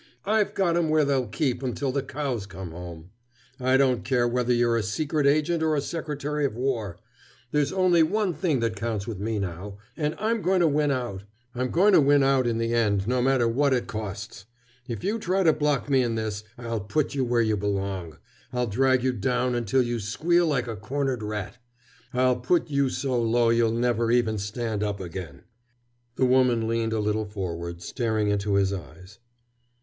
I've got 'em where they'll keep until the cows come home. I don't care whether you're a secret agent or a Secretary of War. There's only one thing that counts with me now. And I'm going to win out. I'm going to win out, in the end, no matter what it costs. If you try to block me in this I'll put you where you belong. I'll drag you down until you squeal like a cornered rat. I'll put you so low you'll never even stand up again!" The woman leaned a little forward, staring into his eyes.